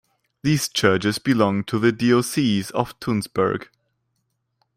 These churches belong to the Diocese of Tunsberg.